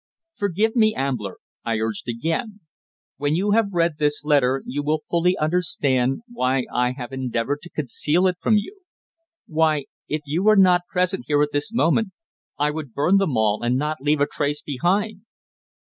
"Forgive me, Ambler," I urged again. "When you have read this letter you will fully understand why I have endeavoured to conceal it from you; why, if you were not present here at this moment, I would burn them all and not leave a trace behind."